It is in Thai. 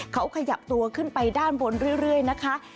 เขาขยับตัวขึ้นไปด้านบนเรื่อยนะคะ